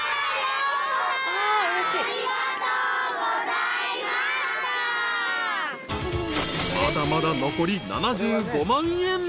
［まだまだ残り７５万円］